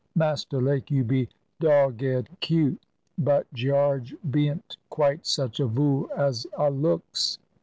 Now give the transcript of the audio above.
Master Lake, you be dog ged cute; but Gearge bean't quite such a vool as a looks."